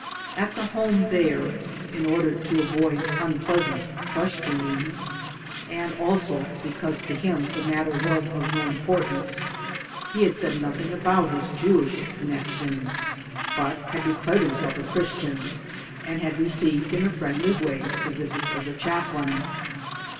At the Home there in order to avoid unpleasant questionings, and also because to him the matter was of no importance he had said nothing about his Jewish connection but had declared himself a Christian, and had received in a friendly way the visits of the chaplain.